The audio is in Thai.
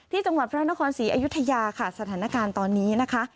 จังหวัดพระนครศรีอยุธยาค่ะสถานการณ์ตอนนี้นะคะ